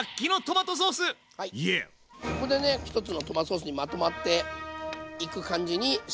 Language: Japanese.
ここでね一つのトマトソースにまとまっていく感じに仕上げていきます。